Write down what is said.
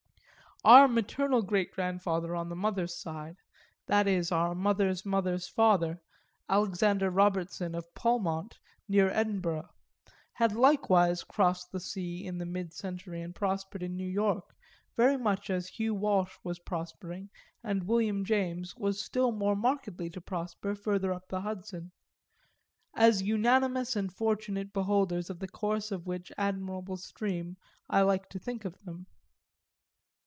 Our maternal greatgrandfather on the mother's side that is our mother's mother's father, Alexander Robertson of Polmont near Edinburgh had likewise crossed the sea in the mid century and prospered in New York very much as Hugh Walsh was prospering and William James was still more markedly to prosper, further up the Hudson; as unanimous and fortunate beholders of the course of which admirable stream I like to think of them.